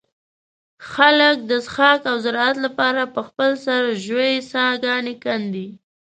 خلک د څښاک او زراعت له پاره په خپل سر ژوې څاګانې کندي.